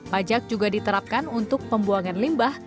pajak juga diterapkan untuk pembuangan limbah